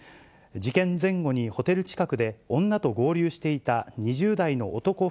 事件前後にホテル近くで、女と合流していた２０代の男